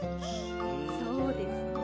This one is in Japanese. そうですね。